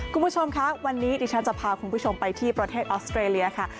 คุณผู้ชมคะวันนี้ดิฉันจะพาคุณผู้ชมไปที่ประเทศออสเตรเลียค่ะ